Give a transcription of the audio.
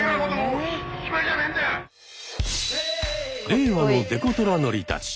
令和のデコトラ乗りたち。